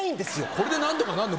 これで何とかなんの？